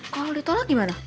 kalau ditolak gimana